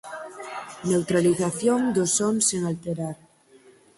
Neutralización dos sons sen alterar.